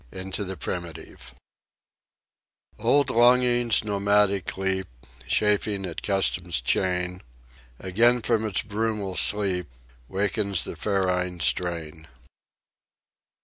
Into the Primitive "Old longings nomadic leap, Chafing at custom's chain; Again from its brumal sleep Wakens the ferine strain."